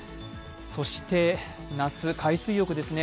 そして夏、海水浴ですね。